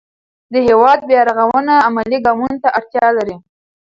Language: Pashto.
د هېواد بیا رغونه عملي ګامونو ته اړتیا لري.